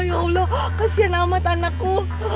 ya allah kasihan amat anakku